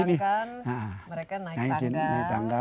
jadi bisa kita bayangkan mereka naik tangga